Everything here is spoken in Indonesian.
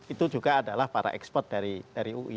itu juga adalah para ekspor dari ui